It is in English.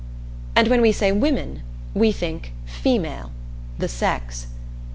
And when we say women, we think female the sex.